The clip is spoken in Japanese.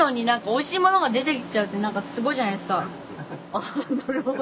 あなるほど。